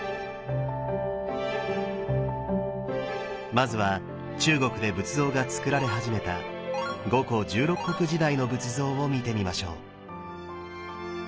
まずは中国で仏像がつくられ始めた五胡十六国時代の仏像を見てみましょう。